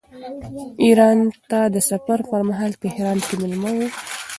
ایران ته د سفر پرمهال تهران کې مېلمه و.